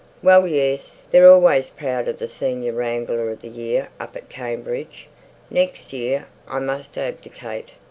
"Well, yes! They're always proud of the senior wrangler of the year up at Cambridge. Next year I must abdicate."